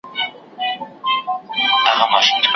خلك ستړي جگړه خلاصه كراري سوه